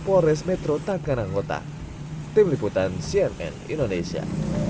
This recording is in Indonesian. polres metro takarangota tim liputan cnn indonesia